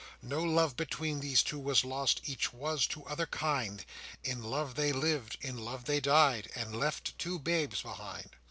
No love between these two was lost, Each was to other kind; In love they lived, in love they died, And left two babes behind.